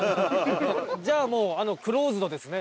じゃあもうクローズドですね。